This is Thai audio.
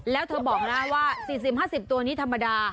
แล้วเธอบอกนะว่า๔๐๕๐ตัวนี้ธรรมดา